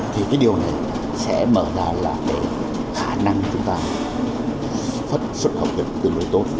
thì điều này sẽ mở ra khả năng chúng ta phất xuất học dịch tương đối tốt